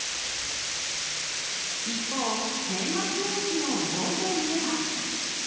一方、年末年始の移動といえば。